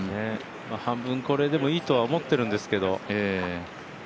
半分これでもいいとは思ってるんですけど。